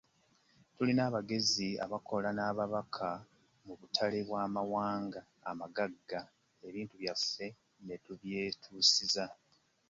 Tulina abagezi abakola n'ababaka mu butale bw'amawanga amagagga ebintu byaffe nga tubyetusiza.